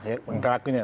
ya itu lagunya